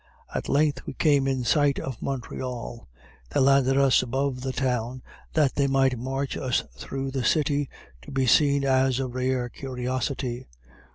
At length we came in sight of Montreal; they landed us above the town that they might march us through the city, to be seen as a rare curiosity.